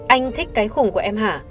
anh thích cái khủng của em hả